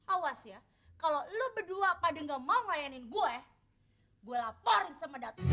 awas ya kalau lu berdua pada gak mau ngelayanin gue gue laporin sama datu